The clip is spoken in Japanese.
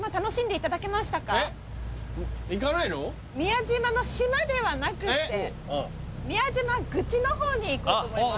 宮島の島ではなくて宮島口の方に行こうと思います